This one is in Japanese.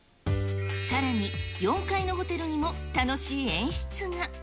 さらに、４階のホテルにも楽しい演出が。